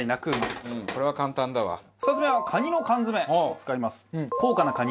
これは簡単だわ。